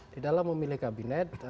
di dalam memilih kabinet